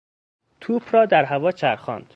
توپ را هوا چرخاند.